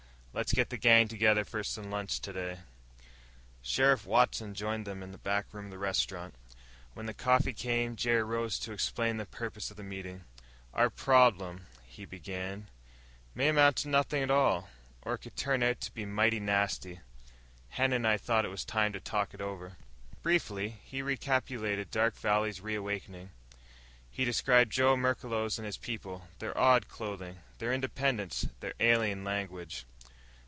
"Let's get the gang together for lunch today." Sheriff Watson joined them in the back room of the restaurant. When the coffee came Jerry rose to explain the purpose of the meeting. "Our problem," he began, "may amount to nothing at all. Or it could turn out to be mighty nasty. Hen and I thought it was time to talk it over." Briefly he recapitulated Dark Valley's reawakening. He described Joe Merklos and his people their odd clothing, their independence, their alien language.